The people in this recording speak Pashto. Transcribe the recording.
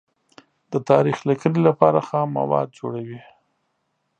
د تاریخ لیکنې لپاره خام مواد جوړوي.